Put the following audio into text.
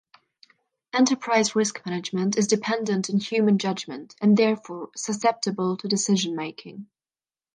Enterprise risk management is dependent on human judgment and therefore susceptible to decision making.